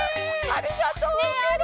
ありがとうケロ！